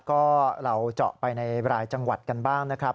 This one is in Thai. ก็เราเจาะไปในรายจังหวัดกันบ้างนะครับ